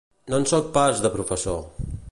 No en soc pas, de professor.